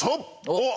おっ！